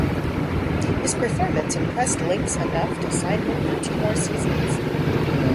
His performance impressed Lynx enough to sign him for two more seasons.